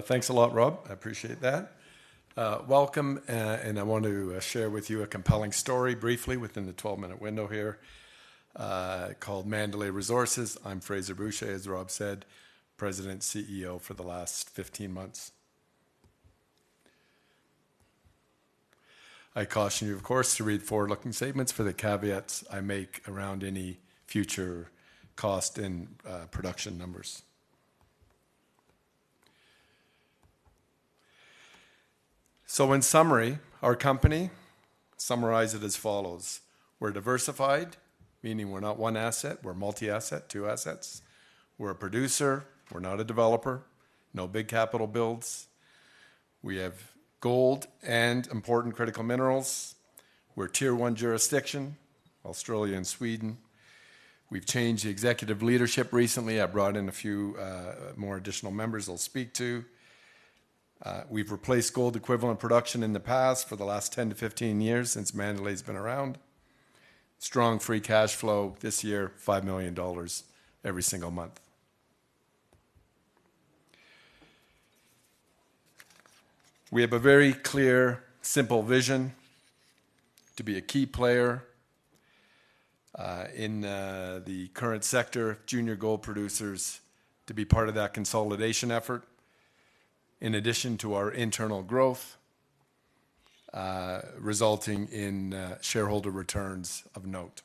Thanks a lot, Rob. I appreciate that. Welcome, and I want to share with you a compelling story briefly within the twelve-minute window here, called Mandalay Resources. I'm Fraser Bourchier, as Rob said, President and CEO for the last 15 months. I caution you, of course, to read forward-looking statements for the caveats I make around any future cost and production numbers. So in summary, our company, summarize it as follows: We're diversified, meaning we're not one asset, we're multi-asset, two assets. We're a producer, we're not a developer. No big capital builds. We have gold and important critical minerals. We're Tier 1 jurisdiction, Australia and Sweden. We've changed the executive leadership recently. I brought in a few more additional members I'll speak to. We've replaced gold equivalent production in the past for the last 10, 15 years since Mandalay's been around. Strong free cash flow this year, $5 million every single month. We have a very clear, simple vision: to be a key player in the current sector, junior gold producers, to be part of that consolidation effort, in addition to our internal growth, resulting in shareholder returns of note.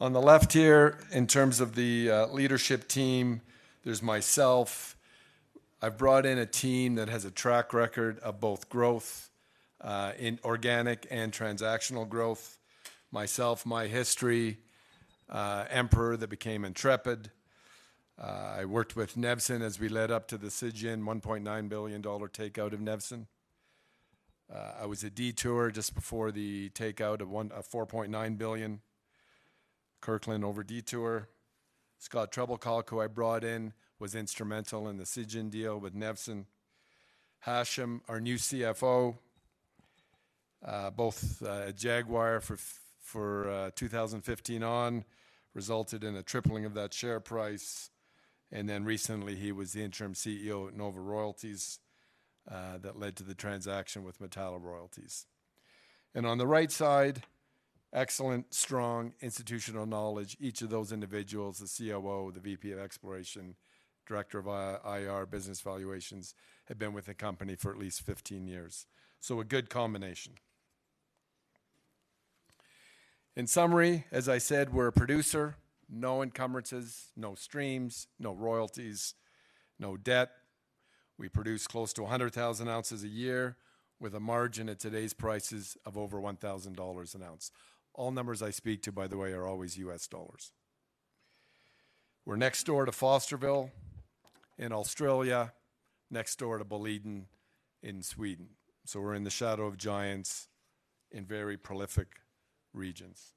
On the left here, in terms of the leadership team, there's myself. I've brought in a team that has a track record of both growth in organic and transactional growth. Myself, my history, Emperor, that became Intrepid. I worked with Nevsun as we led up to the Zijin $1.9 billion dollar takeout of Nevsun. I was at Detour just before the takeout of one of $4.9 billion, Kirkland over Detour. Scott Trebilcock, who I brought in, was instrumental in the Zijin deal with Nevsun. Hashim, our new CFO, both Jaguar for 2015 on, resulted in a tripling of that share price, and then recently, he was the interim CEO at Nova Royalty, that led to the transaction with Metalla Royalty. And on the right side, excellent, strong institutional knowledge. Each of those individuals, the COO, the VP of Exploration, Director of IR, Business Valuations, have been with the company for at least 15 years. So a good combination. In summary, as I said, we're a producer, no encumbrances, no streams, no royalties, no debt. We produce close to 100,000 ounces a year with a margin at today's prices of over $1,000 an ounce. All numbers I speak to, by the way, are always U.S. dollars. We're next door to Fosterville in Australia, next door to Boliden in Sweden. So we're in the shadow of giants in very prolific regions.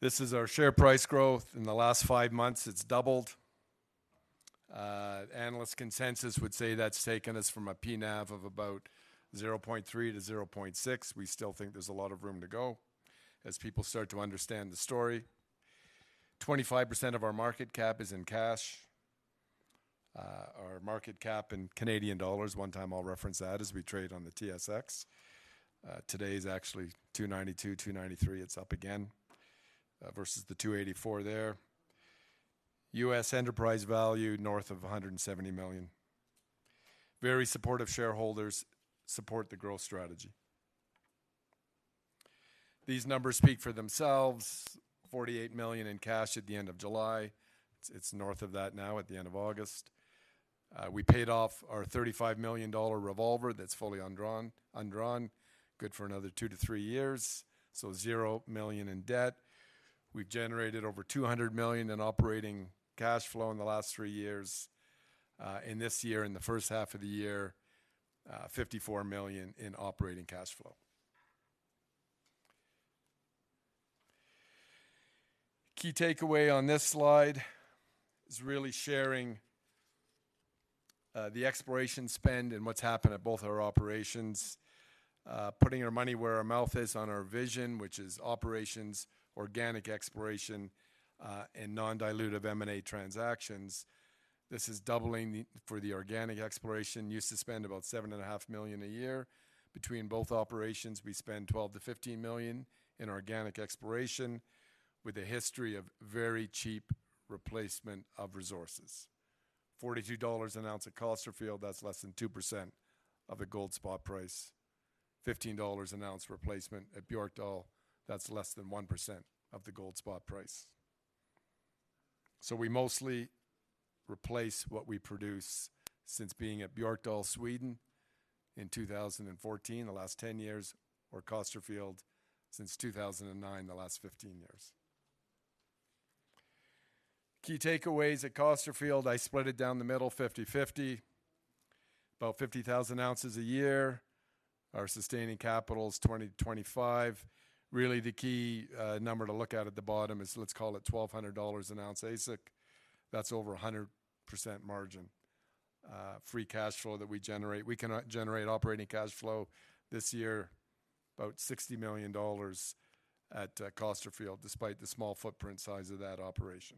This is our share price growth. In the last five months, it's doubled. Analyst consensus would say that's taken us from a PNAV of about 0.3-0.6. We still think there's a lot of room to go as people start to understand the story. 25% of our market cap is in cash. Our market cap in Canadian dollars, one time I'll reference that, as we trade on the TSX. Today is actually 2.92-2.93. It's up again, versus the 2.84 there. U.S. enterprise value, north of $170 million. Very supportive shareholders support the growth strategy. These numbers speak for themselves, $48 million in cash at the end of July. It's north of that now at the end of August. We paid off our $35 million revolver that's fully undrawn, good for another two to three years, so zero million in debt. We've generated over $200 million in operating cash flow in the last three years. In this year, in the first half of the year, $54 million in operating cash flow. Key takeaway on this slide is really sharing the exploration spend and what's happened at both our operations. Putting our money where our mouth is on our vision, which is operations, organic exploration, and non-dilutive M&A transactions. This is doubling the for the organic exploration. Used to spend about $7.5 million a year. Between both operations, we spend 12 million-15 million in organic exploration with a history of very cheap replacement of resources. $42 an ounce at Costerfield, that's less than 2% of the gold spot price. $15 an ounce replacement at Björkdal, that's less than 1% of the gold spot price. So we mostly replace what we produce since being at Björkdal, Sweden in 2014, the last 10 years, or Costerfield since 2009, the last 15 years. Key takeaways at Costerfield, I split it down the middle, 50/50, about 50,000 ounces a year. Our sustaining capital is 25. Really, the key number to look at, at the bottom is, let's call it $1,200 an ounce AISC. That's over 100% margin. Free cash flow that we generate. We can generate operating cash flow this year, about $60 million at Costerfield, despite the small footprint size of that operation.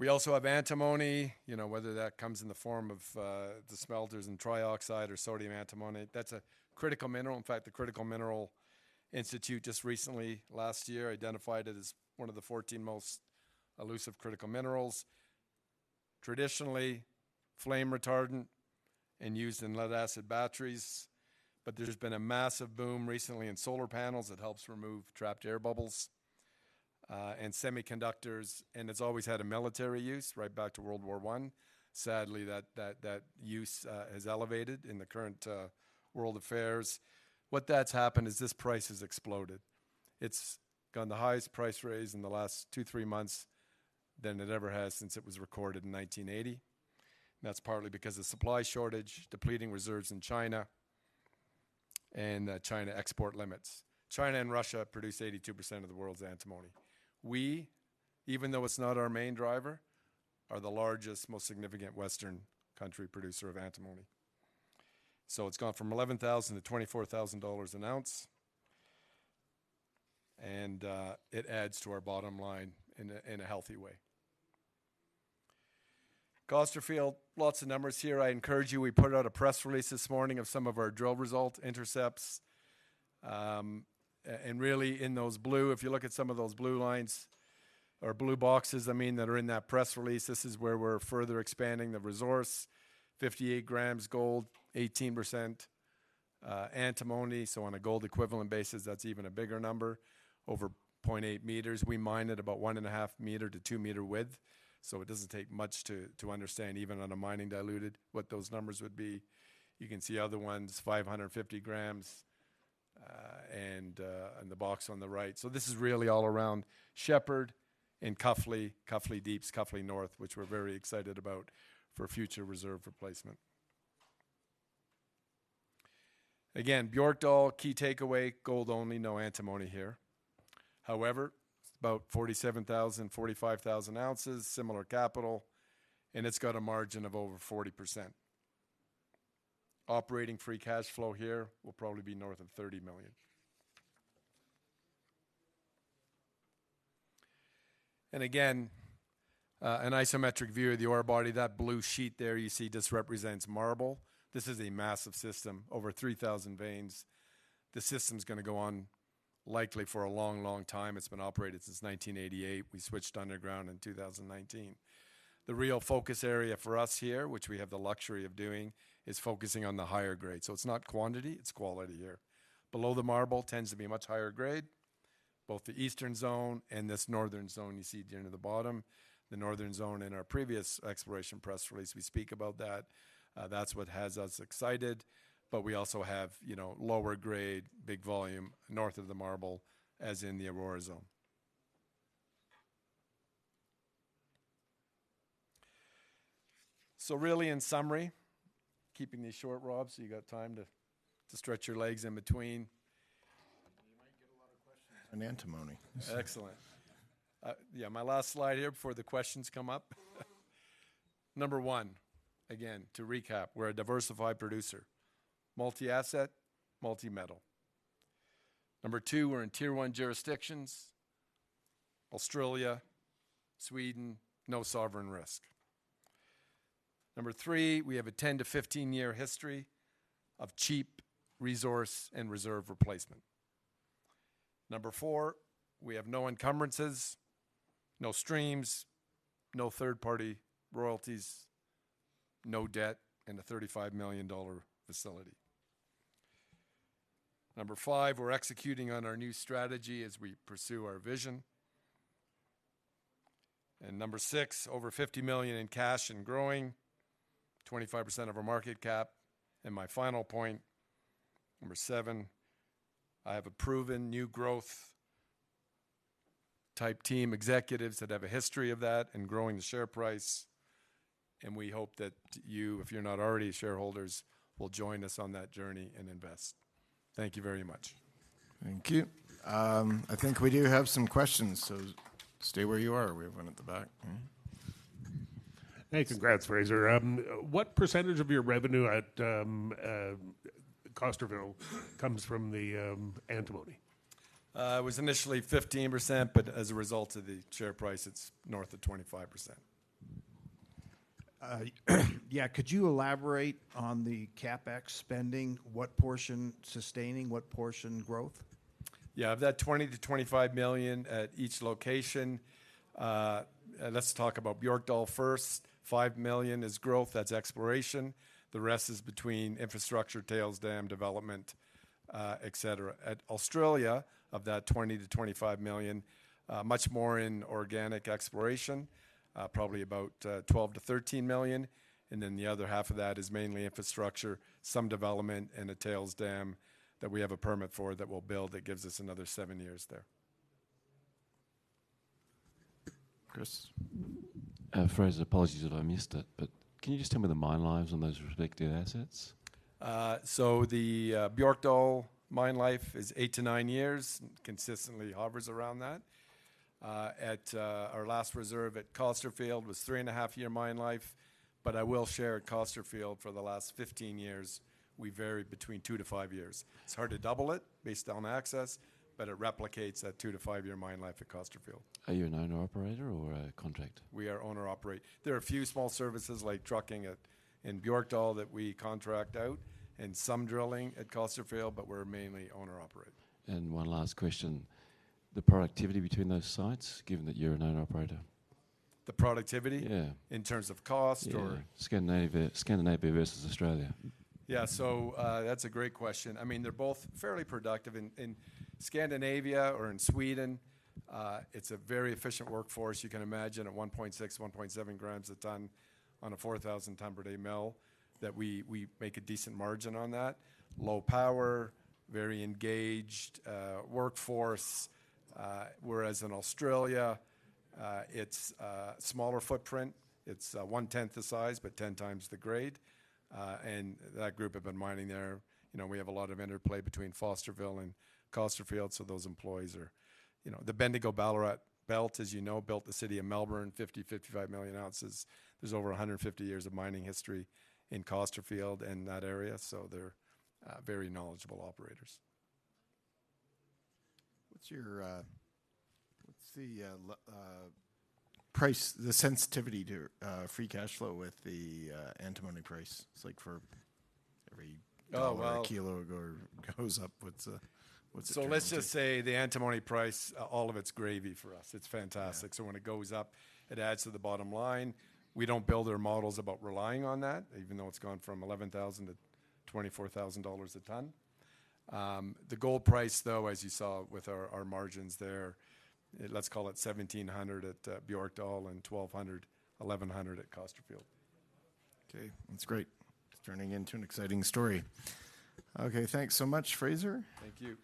We also have antimony. You know, whether that comes in the form of the smelters and trioxide or sodium antimonate, that's a critical mineral. In fact, the Critical Minerals Institute just recently, last year, identified it as one of the 14 most elusive critical minerals. Traditionally, flame retardant and used in lead-acid batteries, but there's been a massive boom recently in solar panels. It helps remove trapped air bubbles and semiconductors, and it's always had a military use, right back to World War I. Sadly, that use has elevated in the current world affairs. What that's happened is this price has exploded. It's gone the highest price raise in the last two, three months than it ever has since it was recorded in 1980. That's partly because of supply shortage, depleting reserves in China, and China export limits. China and Russia produce 82% of the world's antimony. We, even though it's not our main driver, are the largest, most significant Western country producer of antimony. So it's gone from $11,000-$24,000 an ounce, and it adds to our bottom line in a healthy way. Costerfield, lots of numbers here. I encourage you, we put out a press release this morning of some of our drill result intercepts. Really, in those blue, if you look at some of those blue lines or blue boxes, I mean, that are in that press release, this is where we're further expanding the resource. 58 grams gold, 18% antimony. So on a gold equivalent basis, that's even a bigger number, over 0.8 m. We mine at about 1.5 m-2 m width, so it doesn't take much to understand, even on a mining diluted, what those numbers would be. You can see other ones, 550 g, and on the box on the right. So this is really all around Shepherd and Cuffley, Cuffley Deep, Cuffley North, which we're very excited about for future reserve replacement. Again, Björkdal, key takeaway, gold only, no antimony here. However, about 47,000, 45,000 ounces, similar capital, and it's got a margin of over 40%. Operating free cash flow here will probably be north of $30 million. And again, an isometric view of the ore body. That blue sheet there you see just represents marble. This is a massive system, over 3,000 veins. The system's gonna go on likely for a long, long time. It's been operated since 1988. We switched underground in 2019. The real focus area for us here, which we have the luxury of doing, is focusing on the higher grade. So it's not quantity, it's quality here. Below the marble tends to be much higher grade, both the Eastern Zone and this Northern Zone you see down at the bottom. The Northern Zone in our previous exploration press release, we speak about that. That's what has us excited, but we also have, you know, lower grade, big volume, north of the marble, as in the Aurora Zone. So really, in summary, keeping these short, Rob, so you got time to stretch your legs in between. You might get a lot of questions on antimony. Excellent. Yeah, my last slide here before the questions come up. Number one, again, to recap: we're a diversified producer, multi-asset, multi-metal. Number two, we're in Tier One jurisdictions: Australia, Sweden, no sovereign risk. Number three, we have a 10-15-year history of cheap resource and reserve replacement. Number four, we have no encumbrances, no streams, no third-party royalties, no debt, and a $35 million facility. Number five, we're executing on our new strategy as we pursue our vision. And number six, over $50 million in cash and growing, 25% of our market cap. And my final point, number seven, I have a proven new growth-type team, executives that have a history of that and growing the share price, and we hope that you, if you're not already shareholders, will join us on that journey and invest. Thank you very much. Thank you. I think we do have some questions, so stay where you are. We have one at the back. Hey, congrats, Fraser. What percentage of your revenue at Costerfield comes from the antimony? It was initially 15%, but as a result of the share price, it's north of 25%. Yeah. Could you elaborate on the CapEx spending? What portion sustaining, what portion growth? Yeah. Of that $20 million-25 million at each location, let's talk about Björkdal first. $5 million is growth, that's exploration. The rest is between infrastructure, tailings dam development, et cetera. At Australia, of that $20 million-25 million, much more in organic exploration, probably about $12 million-13 million, and then the other half of that is mainly infrastructure, some development, and a tailings dam that we have a permit for that we'll build, that gives us another 7 years there. Chris. Fraser, apologies if I missed it, but can you just tell me the mine lives on those respective assets? So the Björkdal mine life is eight to nine years, consistently hovers around that. At our last reserve at Costerfield was three-and-a-half-year mine life, but I will share at Costerfield for the last 15 years, we varied between two to five years. It's hard to double it based on access, but it replicates that two to five-year mine life at Costerfield. Are you an owner-operator or a contract? We are owner-operated. There are a few small services, like trucking at, in Björkdal, that we contract out, and some drilling at Costerfield, but we're mainly owner-operated. One last question. The productivity between those sites, given that you're an owner-operator? The productivity? Yeah. In terms of cost? Yeah, Scandinavia, Scandinavia versus Australia. Yeah, so, that's a great question. I mean, they're both fairly productive. In Scandinavia or in Sweden, it's a very efficient workforce. You can imagine at 1.6 g, 1.7 g a ton on a 4,000 ton per day mill, that we make a decent margin on that. Low power, very engaged, workforce. Whereas in Australia, it's a smaller footprint, it's 1/10 the size, but 10x the grade. And that group have been mining there. You know, we have a lot of interplay between Fosterville and Costerfield, so those employees are, you know, the Bendigo-Ballarat Belt, as you know, built the city of Melbourne, 50 million-55 million ounces. There's over 150 years of mining history in Costerfield and that area, so they're very knowledgeable operators. What's your, what's the price, the sensitivity to free cash flow with the antimony price? It's like for every dollar a kilo or goes up, what's the sensitivity? So let's just say the antimony price, all of it's gravy for us. It's fantastic. So when it goes up, it adds to the bottom line. We don't build our models about relying on that, even though it's gone from $11,000-$24,000 a ton. The gold price, though, as you saw with our margins there, let's call it $1,700 at Björkdal and $1,100-$1,200 at Costerfield. Okay, that's great. It's turning into an exciting story. Okay, thanks so much, Fraser. Thank you.